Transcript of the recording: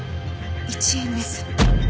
１円です。